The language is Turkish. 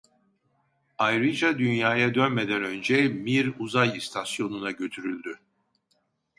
Ayrıca Dünya'ya dönmeden önce Mir uzay istasyonuna götürüldü.